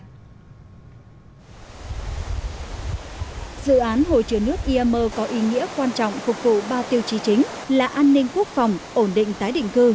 dự án hồ chứa nước iammer có ý nghĩa quan trọng phục vụ ba tiêu chí chính là an ninh quốc phòng ổn định tái định cư